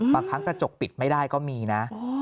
บางครั้งกระจกปิดไม่ได้ก็มีนะ